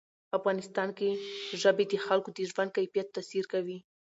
افغانستان کې ژبې د خلکو د ژوند کیفیت تاثیر کوي.